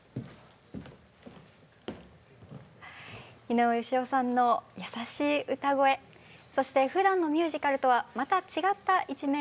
井上芳雄さんの優しい歌声そしてふだんのミュージカルとはまた違った一面をお楽しみ下さい。